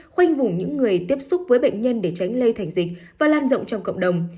khoanh vùng những người tiếp xúc với bệnh nhân để tránh lây thành dịch và lan rộng trong cộng đồng